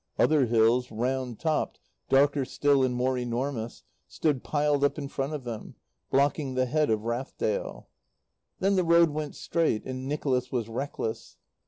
Other hills, round topped, darker still and more enormous, stood piled up in front of them, blocking the head of Rathdale. Then the road went straight, and Nicholas was reckless.